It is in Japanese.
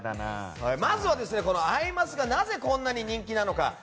まずは「アイマス」がなぜこんなに人気なのか。